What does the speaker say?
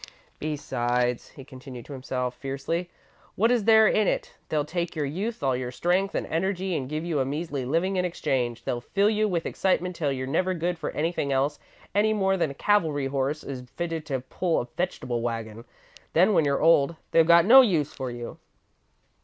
"Besides," he continued to himself, fiercely, "what is there in it? They'll take your youth, all your strength and energy, and give you a measly living in exchange. They'll fill you with excitement till you're never good for anything else, any more than a cavalry horse is fitted to pull a vegetable wagon. Then, when you're old, they've got no use for you!"